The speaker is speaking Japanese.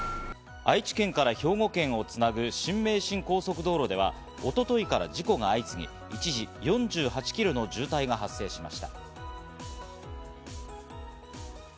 愛知県から兵庫県をつなぐ新名神高速道路では、一昨日から事故が相次ぎ、一時４８キロの渋滞が発生しました。